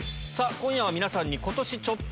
今夜は皆さんに。